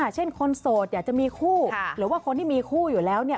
เช่นคนโสดอยากจะมีคู่หรือว่าคนที่มีคู่อยู่แล้วเนี่ย